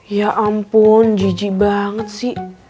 ya ampun giji banget sih